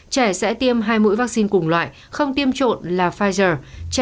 trẻ sẽ tiêm hai mũi vaccine cùng loại không tiêm trộn là pfizer